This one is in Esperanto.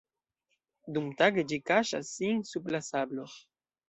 Dumtage ĝi kaŝas sin sub la sablo.